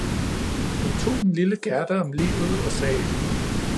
Hun tog den lille gerda om livet og sagde